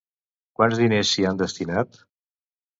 Quants diners s'hi han destinat?